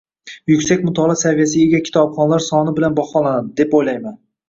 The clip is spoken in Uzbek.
yuksak mutolaa saviyasiga ega kitobxonlar soni bilan baholanadi, deb o‘ylayman.